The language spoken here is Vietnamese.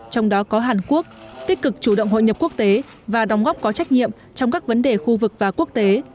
trong đó có hàn quốc tích cực chủ động hội nhập quốc tế và đóng góp có trách nhiệm trong các vấn đề khu vực và quốc tế